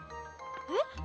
えっ？